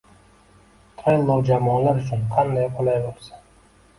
Trello jamoalar uchun qanday qulay bo’lsa